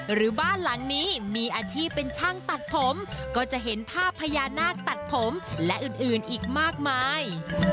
หรือบ้านหลังนี้มีอาชีพเป็นช่างตัดผมก็จะเห็นภาพพญานาคตัดผมและอื่นอื่นอีกมากมาย